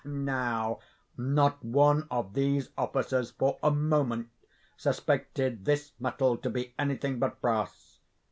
Now, not one of these officers for a moment suspected this metal to be anything but brass.